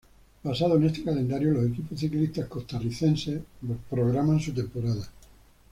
Basado en este calendario los equipos ciclistas costarricenses programan su temporada.